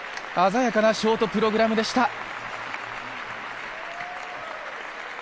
鮮やかなショートプログラムでした。